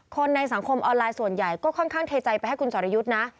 ในสังคมออนไลน์ส่วนใหญ่ก็ค่อนข้างเทใจไปให้คุณสรยุทธ์นะ